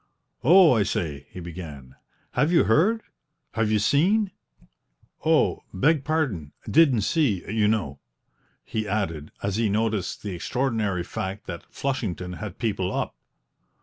"Oh, I say!" he began, "have you heard have you seen? Oh, beg pardon, didn't see, you know!" he added, as he noticed the extraordinary fact that Flushington had people up.